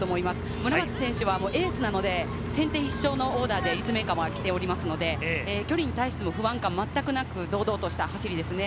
村松選手はエースなので、先手必勝のオーダーで立命館は来ておりますので、距離に対しての不安感はまったくなく、堂々とした走りです。